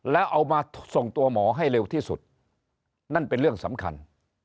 แล้วเอามาส่งตัวหมอให้เร็วที่สุดนั่นเป็นเรื่องสำคัญ